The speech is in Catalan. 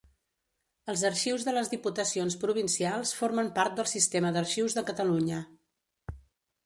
Els arxius de les diputacions provincials formen part del Sistema d'Arxius de Catalunya.